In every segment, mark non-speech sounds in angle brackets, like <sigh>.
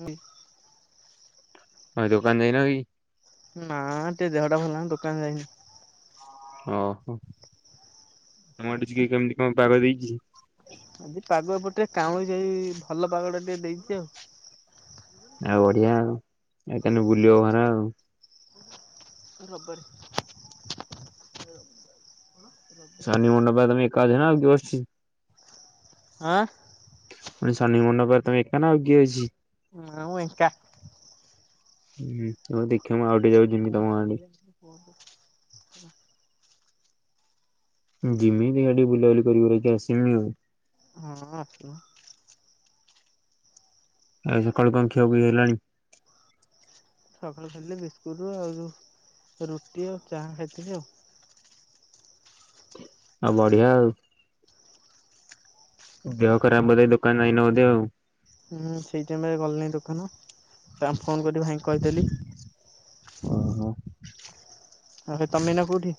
ମୁଁ ଦୋକାନ ଯାଇନ କି। ନା ଟିକେ ଦେହ ଟା ଭଲ ନାହିଁ ଦୋକାନ ଯାଇନି। ଓହୋ ତୁମର ସେଠୀ କଣ କେମିତି ପାଗ ଦେଇଚି। ଆଜି ପାଗ ଏପଟେ କାଉଁ ସେଇ ଭଲ ପାଗଟା ଟିକେ ଦେଇଚି ଆଉ। ଆଉ ବଢିଆ ଆଉ ଏଇକାନେ ବୁଲିବ ଘର ଆଉ। ରବର। ରଦ। ଗୋଚିତ୍। <inaudible> ଆଁ। ମାନେ ଶନି ମଣ୍ଡପପାଖେ ତମେ ଏକାନା ଆଉ କିଏ ଅଛି? ନାଁ ମୁଁ ଏକା। ହୁଁ ହଉ ଦେଖିବା ମୁଁ ଆଉଟିକେ ଯାଉ ଜିମି ତମ ଆଡେ। <inaudible> ଜିମି ଦେଖିଆ ଟିକିଏ ବୁଲାବୁଲି କରିକି ଆସିବି ଆଉ ହଁ ଆସ, ଆଉ ସକାଳୁ କଣ ଖିଆଖୁଇ ହେଲାଣି। ସକାଳୁ ଖାଲିଟିକେ ବିସ୍କୁଟରୁ ଆଉ ରୁଟି ଆଉ ଚାହା ଖାଇଥିଲି ଆଉ ଆଉ ବଢିଆ ଆଉ ଦେହ ଖରାପ ବୋଧେ ଦୋକାନ ଯାଇନ ବୋଧେ ଆଉ। ହୁଁ ସେଇ ଟାଇମରେ ଗଲଣିହି ଦୋକାନ ତା ଫୋନ କରି ଭାଇ କହିଦେଲି। ଓ ହୋ, ଆ ତମେ ଏଇନା କୋଉଠି?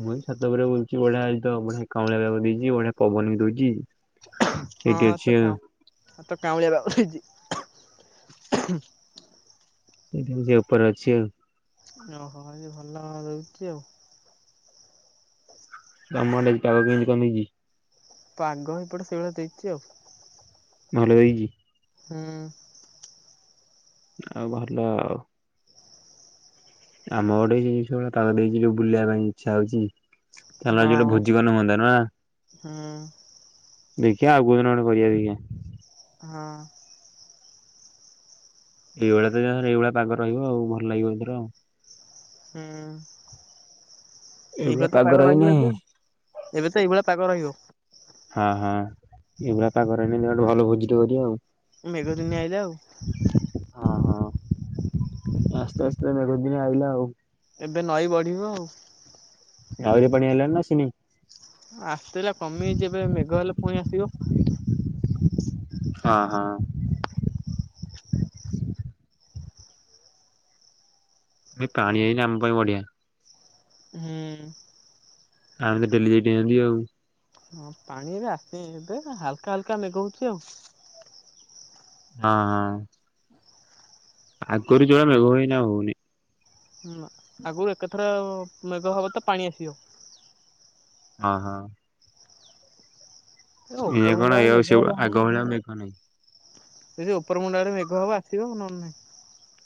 ମୁଁ ଛାତ ଉପରେ ବୁଲୁଛି ବଢିଆ ବଢିଆ କାଉଁଳିଆ ପାଗ ଦେଇଛି ବଢିଆ ପବନ ବି ଦଉଛି ଏଇଠି ଅଛି ଆ ଆଉ ତ କାଉଁଳିଆପାଗ ଦେଇଛି। ସେ ଯେ ଉପରେ ଅଛି ଆଉ। ଓ ହୋ ଭଲ ରହୁଛି ଆଉ। <unintelligible> ପାଗ ଏପଟେ ସେଇଭଳିଆ ଦେଇଛି ଆଉ। ଭଲ ଦେଇଚି। ହୁଁ। ଆଉ ଭଲ ଆଉ। ଆମ ଗୋଟେଇ ଜିନିଷ ଗଡ ତାକୁ ଦେଇଛି ବୁଲିବା ପାଇଁ ଇଚ୍ଛା ହୋଉଚି। ଚାଲ ଯୋଉଟା ହଁ ଭୋଜିି କନେ ହୁଅନ୍ତା ନୁହଁ ନା। ହୁଁ। ଦେଖିବା ଆଉ କୋଉ ଦିନ ଗଟେ କରିବା ଦେଖିଆ। ହଁ। ଏଇଭଳିଆ ତ ଯା ଏଇଭଳିଆ ପାଗ ରହିବ ଆଉ ଭଲ ଲାଗିବ ସେର ଆଉ। ହୁଁ। ଏବେଡ ଏଇଭଳିଆ ତ ପାଗ କାଗର ରହି ରହିବ ଏବେ। ନାଇଁ। ଏବେ ତ ଏଇଭଳିଆ ପାଗ ରହିବ। ହଁ ହଁ ଏଇଭଳିଆ ପାାଗରେ ଗେ ଭଲ ଭୋଜି ଟ କର ଆଉ। ମେଘ ଦିନ ଆଇିଲ ଆଉ। ହଁ ହଁ ଆସ୍ତେ ଆସ୍ତେ ମେଘ ଦିନ ଆଇଲା ଆଉ। ଏବେ ନଈ ବଢିବ ଆଉ। ଆରିି ପଣିିଲନା ଶିନି ଆସିଥିଲା କମିଯଛି ଏବେ ମେଘ ହେଲେ ପୁଣି ଆସିବ। ହଁ ହଁ। ଏ ପାଣିଇ ଆମ ପାଇଁ ବଢିଆ। ହୁଁ ଆମେ ତ ଡେଲି ଯାଇି ନିଅନ୍ତି ଆଉ। ହଁ ପାଣିରେ ଆସ ଏବେ ହାଲକା ହାଲକା ମଗଉଛି ଆଉ। ହଁ ହଁ। ଆଜି କରରୁ ଯ ମ ହଉ ନା ହଉାଇ ହଁ ଆଗରୁ ଏକଥର ମେଘ ହବ ତ ପାଣି ଆସିବ। ହଁ ହଁ। ଏ ଉପର ଏଇ ମୁଣ୍ଡା କଣଇ ବେଳେ ଆଉ ମେଘ ସେଳିଆ ଆଗ ଭଳିଆେ କଣ ହିଁ। ସେ ଉପରମୁଣ୍ଡରେ ମେଘ ହବ ଆସିବ ନନେ ନାହିଁ।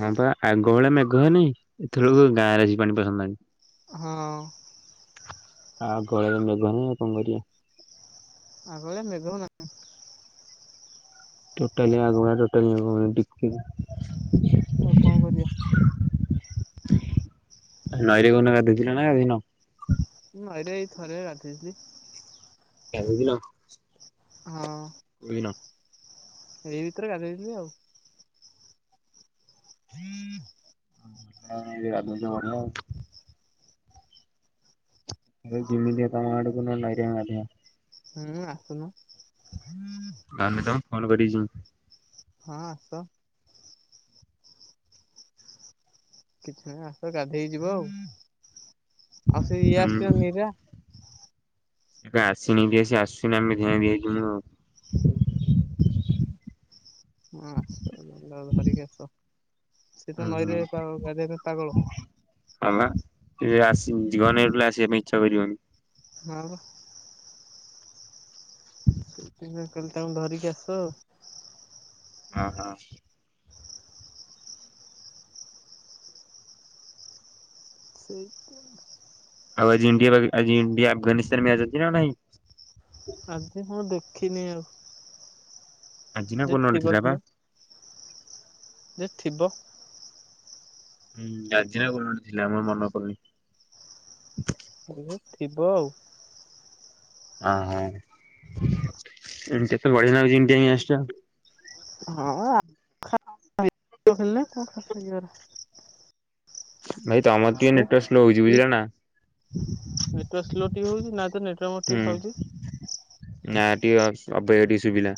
ହଁ ପା ଆଗ ବେଳେ ମେଘ ହୁଏନି ଏତେବେଳକୁ ଗାଁରେ ଆସିକି ପାଣି ପସନ୍ତାଣି। ହଁ। ଆଉ ଗରିବ ଲୋକ ସେ କଣ କରିବା। ଆଗଭଳିଆ ମେଘ ନାହଁ। ଟୋଟାଲି ଆଗୁଣା ଟୋଟାଲି ମେଘ ନାହିଁ ଟିକେ ବି ଆଉ କଣ କରିବା ନଈରେ କୋଉଦିନ ଗାଧେଇ ଥିଲ ନା ଗାଧେଇନ? ନଈରେ ଏଇଥିରେ ଗାଧେଇଚି। ଗାଧେଇ ଥିଲ। ହଁ। କୋଉଦିନ? ଏଇ ଭିତରେ ଗାଧେଇଥିଲି ଆଉ। <inaudible> <unintelligible> ମୁଁ ଜିମି ଟିକେ ତୁମ ଆଡକୁ ନହେଲେ ନାଇରେ ଗାଧେଇବା। ହୁଁ ଆସୁନୁ। ତା ନିଜର ଫୋନ୍ ପେ ବିଯିଂ ହଁ ଆସ। କିଛି ନାହିଁ ଆସ ଗାଧେଇ ଯିବ ଆଉ। ଆଉ ସେ ଇଏ ହୁଁ। ଆସିଥିବ ମୀରା ଏବେ ଆସିନି ଯେ ସେ ଆସିନେ ଆମେ ଦିହେଁଙ୍କେ ଯିମୁ। ହଁ ଆସ ନ ଧରିକି ଆସ। ସେ ତ ହୁଁ ନଈରେ ହୁଁ ଗାଧେଇବା ପାଇଁ ପାଗଳ ହେଲା ଏବେ ଆସି ଜୀବନୀ ଏବେ ଆସିବା ପାଇଁ। <inaudible> ଛଭରିବନି ହଁ ସେ କହିଲେ କାଲି ତାଙ୍କୁ ଧରିକି ଆସ ଆଉ। ହ ହଉ। ସେଇ ଆଉ ଆଜି ଇଣ୍ଡିଆ ଅଫଗାନିସ୍ତାନ ମ୍ୟାଚ ଅଛି ନା ନାହିଁ। ଆଜି ମୁ ଦେଖିନି ଆଉ। ଆଜି <inaudible> ନା ଯେ ବୋନାଲ ଥିବ ଥିଲା ପା। ଥିବ ଯେ ଥିବ ହୁଁ ଆଜିିନା ଆଉ ଥିଲା ମେରମନରପଡୁନି। ଜିଏଥିବ ଆଉ ହ ହୋତି ତ ବ ନଉଛିଣ୍ଡିଆ ଆଷ୍ଟ <inaudible> ହଁଅ ଖେଳନା କଣ ଖସ <inaudible> ହଁ <inaudible> ଭାଇ ତମରେକେ ନେଟୱର୍କ ସ୍ଲୋ ହଉଛି। ବୁଝିଲ ନା ନେଟୱାର୍କ ସ୍ଲୋ କେବେ ହଉଛି ନା ତ ନେଟୱର୍କ ହୁଁ ଠିକ୍ ପାଉଛି। ନା ଟି ଅବାଗିଆ ଟିକେ ଶୁଭିଲା।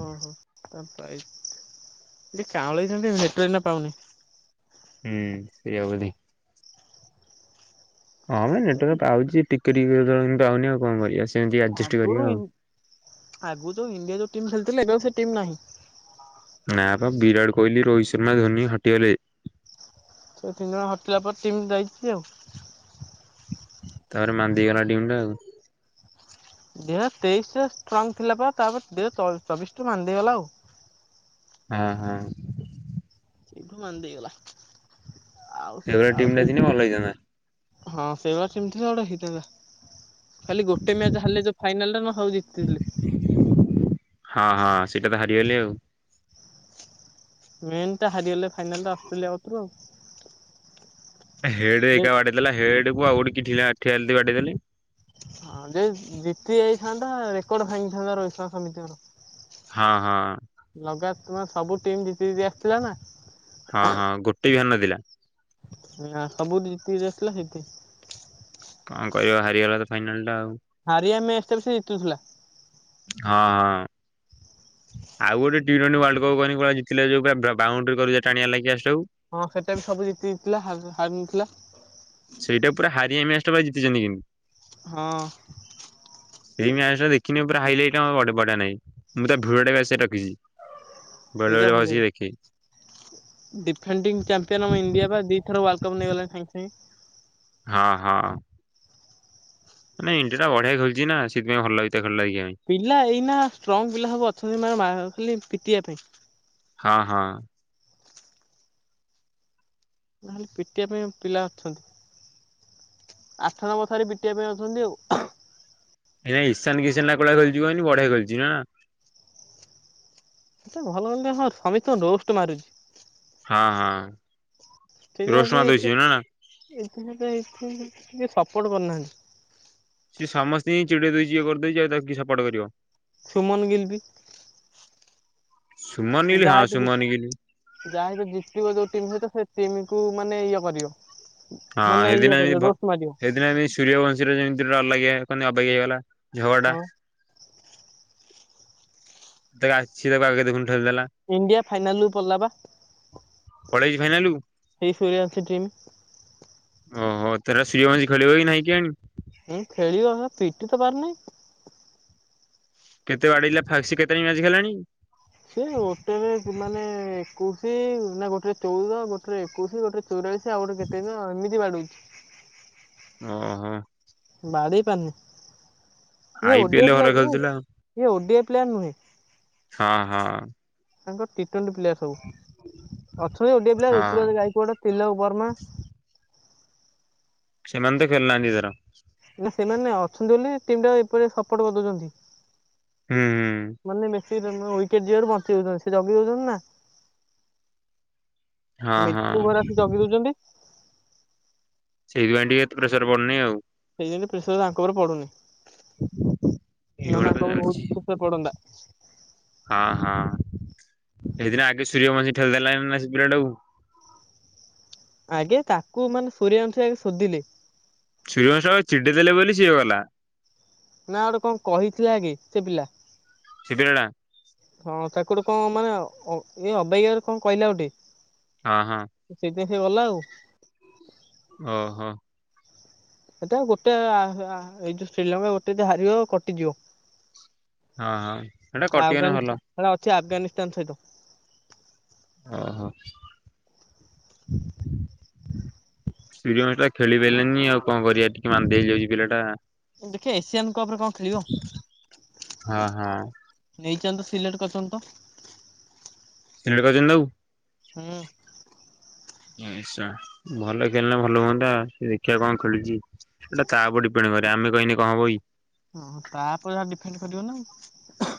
ଓହୋ ତା ପାଇଶ କାଉଁଳେଇ ପାଣି ନେଟୱର୍କ ଏଇନା ପାଉନି। ହୁଁ ସେରି ହଉଦି ହଁ ଆ ନେଟକ ପାଉଛି ଟିକେ ଟିକ ପାଉନି ଆଉ କଣ କରିବା ସେମିତି ଆଡଜଷ୍ଟ ଆଗରୁ କରିବା ଆଉ। ଆଗରୁ ତ ଇଣ୍ଡିଆ ଟିମ୍ ଖେଳିଥିଲେ ଏବେ ଆ ସେ ଟିମ୍ ନାହିଁ। ନା ବା ବିରାଟ କୋହଲି ରୋହିତ ଶର୍ମା ଧୋନି ହଟିଗଲେ। ସେ ତିନି ଜଣ ହଟିଲା ପରେ ଟିମ ଯାଇଛି ଆଉ। ତାପରେ ମାନ୍ଦି ଗଲା ଡିମ୍ ଟା ଆଉ। ଦି ହଜାର ତେଇଶିରେ ଷ୍ଟ୍ରଙ୍ଗ ଥିଲା ପରେ ତାପରେ ଦହଜାର ଚବିଶଠୁ ମନ୍ଦି ହେଇେଇଗଲା ଆଉ। ହଁ ହଁ। ସେଇଠୁ ମନ୍ଦି ଦେଇଗଲା। ସେଇ ଟିମ ଟା ଦିନ ଭଲ ହେଇଥାନ୍ତା। ହଁ ସେଇବା ସେମିତିଡ ହେଇତ ଖାଲି ଗୋଟେ ମ୍ୟାଚ ହେଲେ ଯୋଉ ଫାଇନାଲରେ ନ ହଉ ଜିତିଥିଲି। ହେଲେ ଆଉ। ମେନ୍ ଟା ହାରିଗଲେ ଫାଇନାଲା ଅଷ୍ଟ୍ରେଲିଆ ହଉଥିବ ଆଉ। ହେଡ ଯେ ଏକ ଆଡ଼ଦୋ ହେଡକୁ ଆଉଡିକ କିଠିଆ ବାଡିଦେଲେ। ହଁ ଯେ ଜିତି ଯାଇଥାନ୍ତା ରେକର୍ଡ ଭାଙ୍ଗିଥାନ୍ତା ରୋହିତ ଶର୍ମା ସମିତିଙ୍କର ହଁ ହଁ। ତମର ସବୁ ଟିମ୍ ଜିତିି ଜିତି ଆସିଥିଲା ନା। ହଁ ହଁ ଗୋ <unintelligible> ନଥିଲା। ନା ସବୁ ଜିତି ଆସିଲ ସେଠି କଣ କରିବ ହାରିଗଲା ତ ଫାଇନାଲ ଟା ଆଉ। ହାରି ଆମେ <unintelligible> ଜିତୁଥିଲା। ହଁ ହଁ। ଆଉ ଗୋଟେ ଟି ଟ୍ବେଣ୍ଟି ୱର୍ଲ୍ଡ କପ୍ ଜିତିଲେ ଯୋଉ ପୁରା ବାଉଣ୍ଡି କରୁ ଟାଣିଆ ଲାଗି ଆସ ହଁ ସେଟା ବି ସବୁ ଜିତିଥିଲା ହାରିିନଥିଲା। ସେଇଟା ପୁରା ହାରି ଆମେ <unintelligible> ହଁ। ସେଇ ମ୍ୟାଚ୍ ଦେଖିନି ପୁରା ହାଇଲାଇଟ ଆ ବଡେ ବଢିଆ ନାଗେଇ ମୁଁ ତା ଭିଡିଓ <unintelligible> ବେଳେ ସେଇଟା ବେଳେ ଭଲ ବସିକି ଦେଖେ ହେଇଚି ଡିଫେଣ୍ଡିଙ୍ଗ ଚାମ୍ପିୟନ ଆମ ଇଣ୍ଡିଆ ବା ଦିଥର ୱା କପ୍ ନେଇଗଲେଣି ସାଙ୍ଗ ସାଙ୍ଗେ। ହଁ ହଁ। ନାଇଁ ଯୋଉଟା ବଢଆ ଖେଲିଛି ନା ସେଥିପାଇଁ ଭଲ ଲାଗେ ତାକୁ। ପିଲା ଏଇନା ଷ୍ଟ୍ରଙ୍ଗ ପିଲା ସବୁ ଅଛନ୍ତି ମା ଥିଲେ ପିଟିବା ପାଇଁ। ହଁ ହଁ। ନହେଲେ ପିଟିବା ପାଇଁ ପିଲା ଅଛନ୍ତି, ଆଠ ନମ୍ବର ଥରେ ପିଟିବା ପାଇଁ ଅଛନ୍ତି ଆଉ। ଏ ଇସାନ କିସନ୍ ନା କୌଭଳିଆ କରିଚି କହିଲୁ ବଢିଆ ଖେଳଛି ନା ନା ଏତେ ଭଲ ଭ ହ ସମସ୍ତ ରୋଷ୍ଟ ମାରୁଛି। ହଁ ହଁ। ଟଠିକ ର ରୋଷ୍ଟ କି ମାରି ଦଉଛି ନା ଏେ ଏ ଟିକେ ସପୋର୍ଟ କରିନାହାନ୍ତି। ସିଏ ସମସ୍ତେ ହିଁ ଚିଡେଇ ଦେଇଛି ଇଏ କରିଦେଇଉଛି ଆଉ ତାକୁ କି ସପୋର୍ଟ କରିବ। ସୁମନ ଗିଲ୍ପି। ସୁମନ ଗିଲ୍ ହଁ ଯାହାତୁ ସୁମନ ଗିଲ୍ ଯାହା ହତୁ ଜିତିବ ଯୋଉ ଟିମ୍ ସହିତ ସେ ଟିମ୍ କୋଉ ମାନେ ଇଏ କରିବ। ହଁ ମାନେ ଇଏ ଏଇଦିନ କରିବ ରୋଷ୍ଟ ମାରିବ। ଏଇଦିନ ଆମ ସୂର୍ଯ୍ୟବଂଶୀର ଯେମିତି <unintelligible> ଅବାଗିଆ ହେଇଗଲା। ଝଗଡ଼ା। ହଁ ତାେ ଆସିବା <unintelligible> ଇଡିଆ ଫାଇନାଲରୁ ପଳେଇଲା ବା। ପଳେଇଛି ଫାଇନାଲକୁ। ସେଇ ସେୟା ଅଛି ଟିମ୍। ଓହୋ ତ ସୂର୍ଯ୍ୟବଂଶୀ ଖେଳିବ କି ନାହିଁ କେଜାଣି। ହଁ ଖେଳିିବ ମ ପିଟି ତ ପାରୁନି। କେତେ ବାଡେଇଲା ଫାଷ୍ଟ କେତେଟା ମ୍ୟାଚ ଖେଳିଲାଣି। ସେଇ ଗୋଟେ ମାନେ ଏକୋଇଶି ନା ଗୋଟେରେ ଚଉଦ ଗୋଟେରେ ଏକୋଇଶି ଗୋଟେ <unintelligible> କେତନା ଏମିତି ବାଡେଇଛି। <inaudible> ଓହୋ। ବାଡେଇ ପାରୁନି। ଏ ଆଇ ପି ଏଲ ଭଲ ଖେଳୁଥିଲା ଆଉ। <unintelligible> ଓଡେପ୍ଲାନ ନୁହେଁ। ହଁ ହଁ। ତାଙ୍କ ପିଟି ପିଲା ସବୁ ଅଛନ୍ତି <unintelligible> ପିଲା ହଁ ଋତୁରଜ ନାଇଡୁ ତିଲକ ବର୍ମା। ସେମାନେତ ଖେଳିନାହାନ୍ତି ଏଥର। ନା ସେମାନେ ଅଛନ୍ତି ନା ଟିମ୍ ଟା ଏପରି ସପୋର୍ଟ କରିଦଉଛନ୍ତି। ହୁଁ ହୁଁ। ସେ ଉଇକେଟ ଯିବାରୁ ବଞ୍ଚ ଯଉଛନ୍ତି ସେ ଜଗି ହଉଛନ୍ତି ନା। ହଁ ହଁ ମିକୁ ଘରେ ଆସି ଜଗି ଦଉଛନ୍ତି। <unintelligible> ଏତେ ପ୍ରେସର ପଡୁନି ଆଉ। ପ୍ରେସର୍ ୟାଙ୍କ ଉପରେ ପଡ଼ୁନି। ନା ନା ଏଇଭଳିଆ ତ ୟାଙ୍କ ଉପରେ ଚାଲିଛି। ବହୁତ ପ୍ରେସର୍ ପଡନ୍ତା। ହଁ ହଁ ସେଇଦିନ ଆଗେ ସୂର୍ଯ୍ୟବଂଶୀ ଖଲି ଦେଲା ନା ସେ ପିଲାଟାକୁ ଆଗେ ତାକୁ ମାନେ ସୂର୍ଯ୍ୟବଂଶୀ କୁ ସୋଦିଲେ। ସୂର୍ଯ୍ୟବଂଶୀ ଚିଡି ଦେଲେ ବୋଲି ସିଏ ଗଲା। ନା ଗୋଟେ କଣ କହିଥିଲା କି ସେ ପିଲା। <unintelligible> ହଁ ତାକୁଗୋଟେ କଣ ମାନେ ଏଇ ଅବେଗିଆ ରେ କଣ କହିଲା ଗୋଟେ। ହଁ ହଁ। ଦେଖେ ଗଲା ଆଉ? ଓ ହୋ। ଏଟା ଗୋଟେ ଆଏ ଏଇଯୋଉ ଶ୍ରୀଲଙ୍କା ଗୋଟେ ହାରିବ କଟିଯିବ। ହଁ ହଁ ସେଇଟା କଟିଗଲେ ଆଫଗାନିସ୍ତାନ ଭଲ। ହେଟା ଅଛି ଆଫଗାନିସ୍ତାନ ସହିତ। ଓହୋ ଶ୍ରୀଲଙ୍କାଟା ଖେଳି ପାରଲେନି ଆଉ କଣ କରିବା ଟିକେ ମାନ୍ଦିଆ ହେଇଯାଉଛି ପିଲା ଟା। ଦେଖିବା ଏସିଆନ କପ ରେ କଣ ଖେଳିବ ହଁ ହଁ ନେଇଛନ୍ତି ସିଲେଟ କରିଛନ୍ତିତ। ସିଲେଟକରିଛନ୍ତି ତାକୁ? ହୁଁ। ଏସା ଭଲ ଖେଳିଲ ଭଲ ହୁଅନ୍ତା ସେ ଦେଖିବା କଣ ଖେଳୁଛି ସେଇଟା ତା ଉପରେ ଡିପେଣ୍ଡ କରେ ଆମେ କହିନେ କଣ ହବକି। ଓ ତାପରେ ଯା ଡିଫେଣ୍ଡ କରିବ ନା।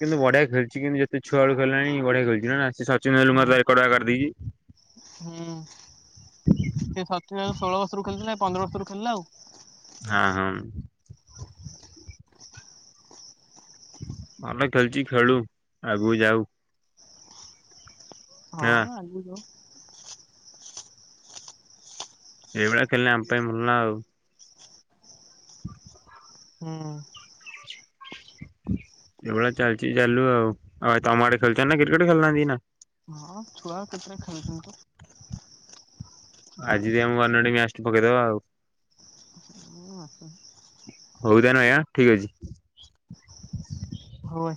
କିନ୍ତୁ ବଢିଆ ଖେଲଛି କିନ୍ତୁ ଯେତିକି ଛୁଆବେଳୁ ଖେଳିଲାଣି ବଢିଆ ଖେଳୁଛି ନୁହଁନା ଆସି ହୁଁ ସେ ସତୁରି ଭାଗ ଷୋଳ ବର୍ଷରୁ ଖେଳିଥିଲା ଇଏ ପନ୍ଦର ବର୍ଷରୁ ଖେଳିଲା ଆଉ। ହଁ ହଁ <inaudible> ମାଲେ ଖେଲଚି ଖେଳୁ ଆଗକୁ ଯାଉ। ହଁ ନା ଆଗକୁ ଏଇଭଳିଆ ଖେଳିଲେ ଆମ ପାଇଁ ଭଲ ନା ଆଉ। <inaudible> ହୁଁ। ଏଭଲିଆ ଚାଲିଚି ଚାଲୁ ଆଉ ଆ ତମଆଡେ ଖେଲୁଚନା କ୍ରିକେଟ ଖେଳନାହାନ୍ତି ଆଇନା? ହଁ ଛୁଆ କେତେଟା ଖେଳୁଛନ୍ତିତ। ଆଜି <unintelligible> ଗନେ ମୁଁ ଗୋଟେ ମ୍ୟାଚଟେ ପକେଇଦବା ଆଉ। ହଉ ତାନେ ଭାଇ ଆଁ ଠିକ୍ଅଛି। ହୋଉ।